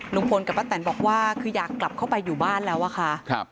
ลุงพลกับป้าแตนบอกว่าคืออยากกลับเข้าไปอยู่บ้านแล้วอะค่ะ